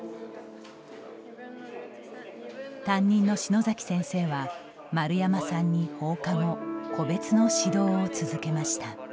担任の篠崎先生は、丸山さんに放課後、個別の指導を続けました。